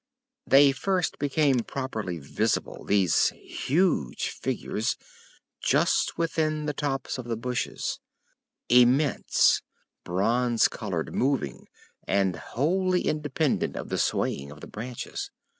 They first became properly visible, these huge figures, just within the tops of the bushes—immense, bronze colored, moving, and wholly independent of the swaying of the branches.